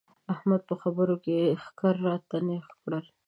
احمد په خبرو کې ښکر راته نېغ کړل.